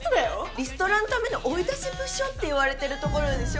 リストラのための追い出し部署って言われてるところでしょ？